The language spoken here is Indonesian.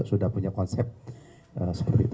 sudah punya konsep seperti itu